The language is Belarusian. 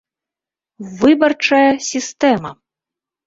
ВЫБАРЧАЯ СІСТЭМА